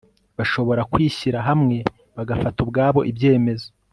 bashobora kwishyira hamwe bagafata ubwabo ibyemezo